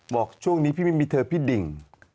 บอกช่วงนี้พี่ไม่มีเธอพี่ดิ่ง